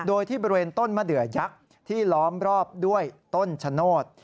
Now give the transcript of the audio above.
โดยที่บริเวณต้นมะเดือยักษ์ที่ล้อมรอบด้วยต้นชะโนธ